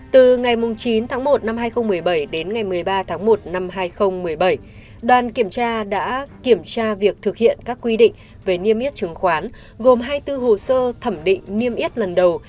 từ ngày chín tháng một năm hai nghìn một mươi bảy đến ngày một mươi ba tháng một năm hai nghìn một mươi bảy đoàn kiểm tra đã kiểm tra việc thực hiện các quy định về niêm yết chứng khoán gồm hai mươi bốn hồ sơ thẩm định niêm yết lần đầu